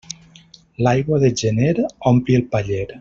L'aigua de gener ompli el paller.